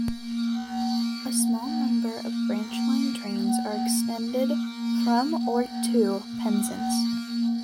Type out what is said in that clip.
A small number of branch line trains are extended from or to Penzance.